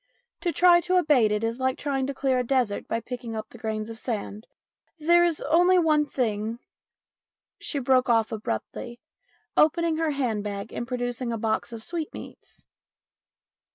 To try to abate it is like trying to clear a desert by picking up the grains of sand. There is only one thing " She broke off abruptly, opening her hand bag and producing a box of sweetmeats.